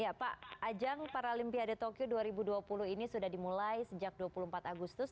ya pak ajang paralimpiade tokyo dua ribu dua puluh ini sudah dimulai sejak dua puluh empat agustus